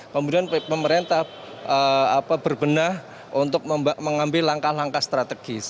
kemudian pemerintah berbenah untuk mengambil langkah langkah strategis